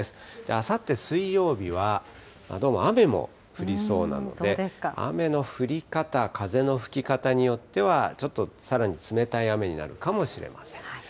あさって水曜日は、どうも雨も降りそうなので、雨の降り方、風の吹き方によっては、ちょっとさらに冷たい雨になるかもしれません。